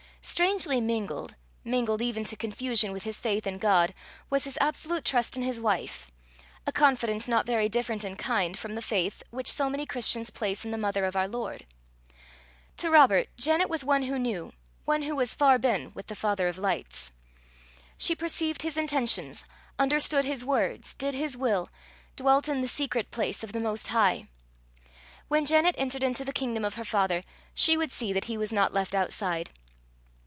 Strangely mingled mingled even to confusion with his faith in God, was his absolute trust in his wife a confidence not very different in kind from the faith which so many Christians place in the mother of our Lord. To Robert, Janet was one who knew one who was far ben with the Father of lights. She perceived his intentions, understood his words, did his will, dwelt in the secret place of the Most High. When Janet entered into the kingdom of her Father, she would see that he was not left outside.